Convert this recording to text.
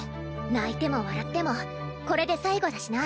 泣いても笑ってもこれで最後だしな。